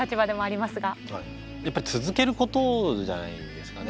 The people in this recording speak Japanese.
やっぱり続けることじゃないですかね。